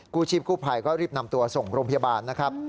กู้ชีพกู้ไผ่ก็รีบนำตัวส่งโรงพยาบาล